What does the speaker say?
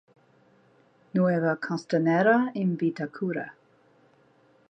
Nueva Costanera in Vitacura.